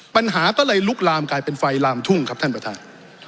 ปัญหาก็เลยลุกลามกลายเป็นไฟลามทุ่งครับท่านประธาน